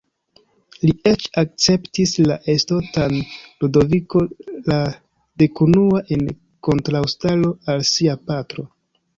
Li eĉ akceptis la estontan Ludoviko la Dekunua en kontraŭstaro al sia patro.